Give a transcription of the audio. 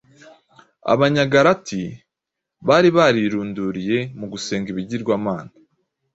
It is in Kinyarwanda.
Abanyagalati bari barirunduriye mu gusenga ibigirwamana;